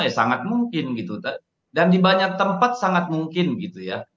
ya sangat mungkin gitu dan di banyak tempat sangat mungkin gitu ya